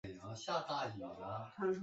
狂欢节一直延续到玫瑰星期一结束。